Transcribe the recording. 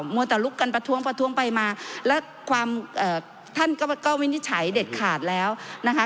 วัวแต่ลุกกันประท้วงประท้วงไปมาแล้วความท่านก็วินิจฉัยเด็ดขาดแล้วนะคะ